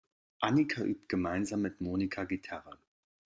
Annika übt gemeinsam mit Monika Gitarre.